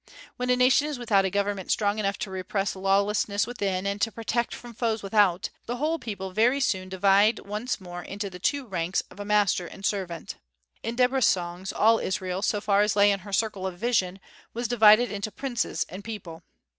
When a nation is without a government strong enough to repress lawlessness within and to protect from foes without, the whole people very soon divides once more into the two ranks of master and servant. In Deborah's songs all Israel, so far as lay in her circle of vision, was divided into princes and people.